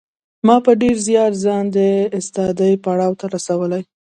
ما په ډېر زیار ځان د استادۍ پړاو ته رسولی